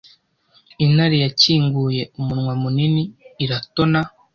Intare yakinguye umunwa munini iratona.